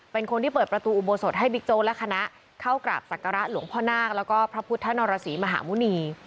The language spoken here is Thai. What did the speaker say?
เป็นคนที่เปิดประตูอุโบสถให้บิ๊กโจ๊กและคณะเข้ากราบศักระหลวงพ่อนาคแล้วก็พระพุทธนรสีมหาหมุณี